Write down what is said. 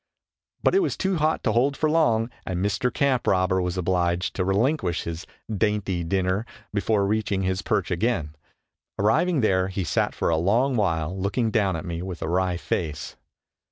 But it was too hot to hold long, and Mr. Camp robber was obliged to relinquish his dainty dinner before reaching his perch again. Arriving there he sat for a long while, looking down at me with a wry face.